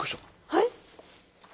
はい？